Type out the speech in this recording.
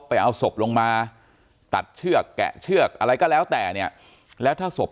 ไปเอาศพลงมาตัดเชือกแกะเชือกอะไรก็แล้วแต่เนี่ยแล้วถ้าศพ